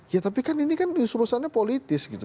ya tapi kan ini kan urusannya politis gitu